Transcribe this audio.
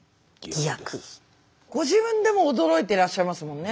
ご自分でも驚いてらっしゃいますもんね。